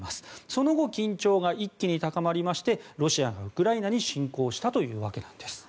その後緊張が一気に高まりましてロシアがウクライナに侵攻したというわけです。